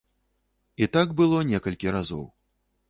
І так было некалькі разоў.